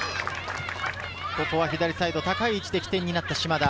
左サイド、高い位置で起点になる島田。